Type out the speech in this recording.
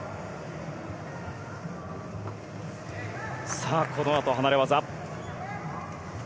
さあ、このあと離れ技。